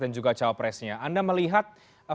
dan juga caopresnya anda melihat